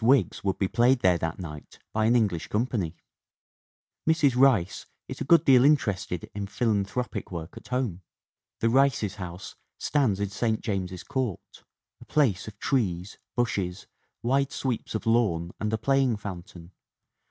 Wiggs would be played there that night by an English com pany!" Mrs. Rice is a good deal interested in philanthropic work at home. The Rices' house stands in St. James ALICE HEGAN RICE 317 Court, a place of trees, bushes, wide sweeps of lawn and a playing fountain.